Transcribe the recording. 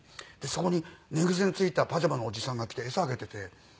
でそこに寝癖のついたパジャマのおじさんが来て餌あげてて。